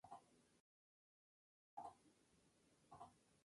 Esto ha sido discutido.